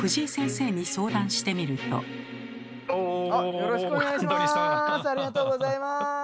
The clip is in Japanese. よろしくお願いします。